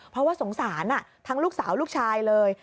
เพราะว่าสงสารทั้งลูกสาวลูกชายเลย